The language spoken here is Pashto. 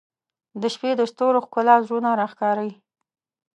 • د شپې د ستورو ښکلا زړونه راښکاري.